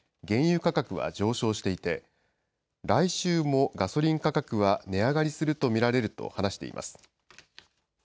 原油価格は上昇していて来週もガソリン価格は値上がりすると見られると話しています。